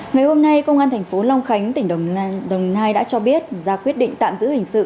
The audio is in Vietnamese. ngày hôm nay công an thành phố long khánh tỉnh đồng nai đã cho biết ra quyết định tạm giữ hình sự